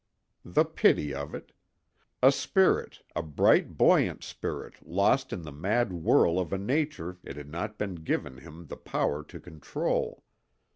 The pity of it! A spirit, a bright buoyant spirit lost in the mad whirl of a nature it had not been given him the power to control.